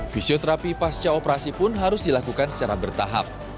fisioterapi pasca operasi pun harus dilakukan secara bertahap